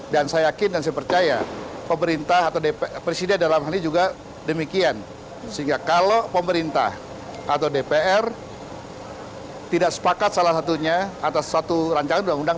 dan saya yakin dan saya percaya presiden dalam hal ini juga demikian sehingga kalau pemerintah atau ddpr tidak sepakat salah satunya atas satu rancangan undang undang